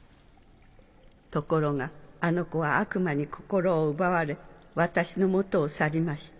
ところがあの子は悪魔に心を奪われ私の元を去りました。